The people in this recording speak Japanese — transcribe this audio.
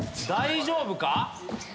大丈夫か？